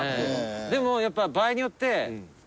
でもやっぱ場合によって。